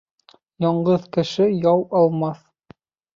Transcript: Яңғыҙ кеше яу алмаҫ.